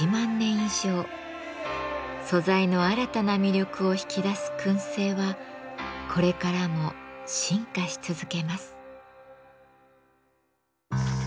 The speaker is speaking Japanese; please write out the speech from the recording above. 素材の新たな魅力を引き出す燻製はこれからも進化し続けます。